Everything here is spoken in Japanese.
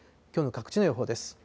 きょうの各地の予報です。